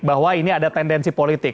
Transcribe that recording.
bahwa ini ada tendensi politik